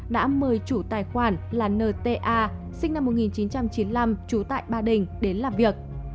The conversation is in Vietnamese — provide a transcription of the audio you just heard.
đã mời chủ tài khoản là nta sinh năm một nghìn chín trăm chín mươi năm trú tại ba đình đến làm việc